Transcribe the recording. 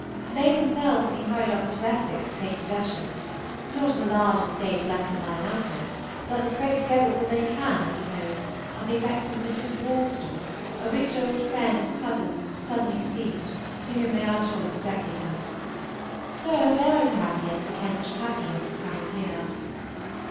They themselves have been hurried off into Essex to take possession, not of a large estate left them by an uncle, but to scrape together all they can, I suppose, of the effects of a Mrs. Rawstorn, a rich old friend and cousin suddenly deceased, to whom they are joint executors. So there is a happy end of the Kentish Papillons coming here.